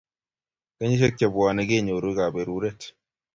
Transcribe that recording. Kenyishiek chebwone kenyoru kaberuret